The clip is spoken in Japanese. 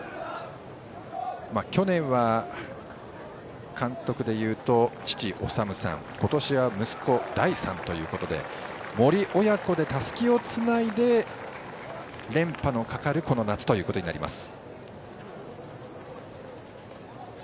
去年は監督で言うと父・士さん今年は息子・大さんということで森親子でたすきをつないで連覇のかかる、この夏となります。